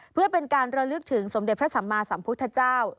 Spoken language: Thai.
เพื่อเป็นการระลึกถึงสมเด็จพระสัมมาสัมพุทธเจ้า